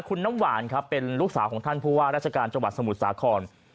คุณน้ำหวานครับเป็นลูกสาวของท่านผู้ว่าราชการจังหวัดสมุทรสาคร